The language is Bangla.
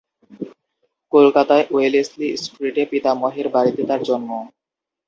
কলকাতায় ওয়েলেসলি স্ট্রিটে পিতামহের বাড়িতে তাঁর জন্ম।